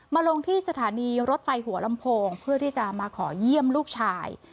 ลงที่สถานีรถไฟหัวลำโพงเพื่อที่จะมาขอเยี่ยมลูกชาย